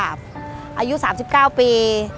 อายุ๓๙ปี